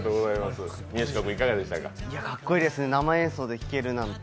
いや、かっこいいですね、生演奏で聴けるなんて。